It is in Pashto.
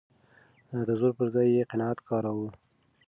د زور پر ځای يې قناعت کاراوه.